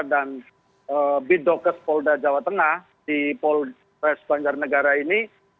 dan bidokes polda jawa tengah di polres banjar negara ini